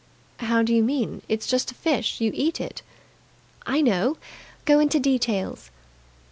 "How do you mean? It's just a fish. You eat it." "I know. Go into details."